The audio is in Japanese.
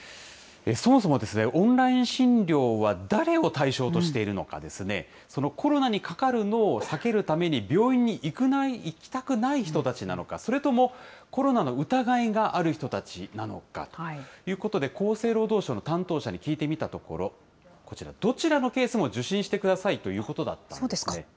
そもそもオンライン診療は誰を対象としているのかですね、そのコロナにかかるのを避けるために、病院に行きたくない人たちなのか、それともコロナの疑いがある人たちなのか、厚生労働省の担当者に聞いてみたところ、こちら、どちらのケースも受診してくださいということだったんですね。